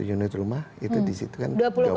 satu unit rumah itu di situ kan dua puluh tiga puluh persen